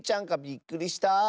びっくりした。